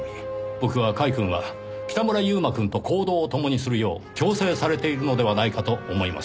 僕は甲斐くんは北村悠馬くんと行動をともにするよう強制されているのではないかと思います。